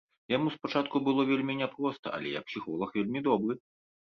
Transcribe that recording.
Яму спачатку было вельмі няпроста, але я псіхолаг вельмі добры.